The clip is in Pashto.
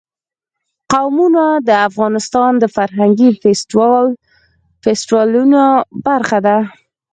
قومونه د افغانستان د فرهنګي فستیوالونو برخه ده.